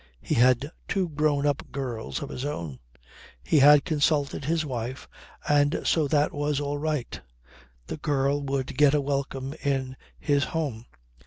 He had two grown up girls of his own. He had consulted his wife and so that was all right. The girl would get a welcome in his home.